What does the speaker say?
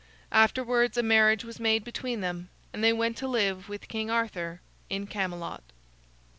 Afterwards a marriage was made between them, and they went to live with King Arthur in Camelot.